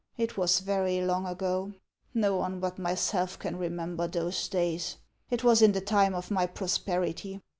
It was very long ago. Xo one but myself can remember those days. It was in the time of my prosperity.